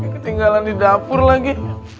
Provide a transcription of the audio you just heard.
ketinggalan di dapur lagi